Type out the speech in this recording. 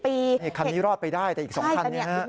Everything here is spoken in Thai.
อีกครั้งนี้รอดไปได้แต่อีกสองครั้งนี้ฮะ